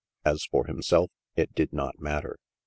As for himself it did not matter.